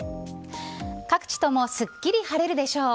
各地ともすっきり晴れるでしょう。